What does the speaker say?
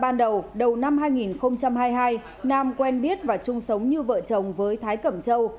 nam quen biết và chung sống như vợ chồng với thái cẩm châu